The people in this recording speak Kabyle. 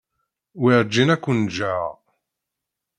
Werǧin ad ken-ǧǧeɣ.